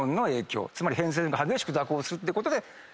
つまり偏西風が激しく蛇行するってことで。